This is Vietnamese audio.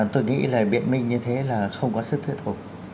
tôi nghĩ là biện minh như thế là không có sức thuyết phục